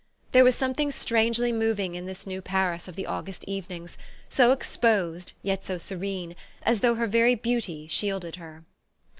There was something strangely moving in this new Paris of the August evenings, so exposed yet so serene, as though her very beauty shielded her.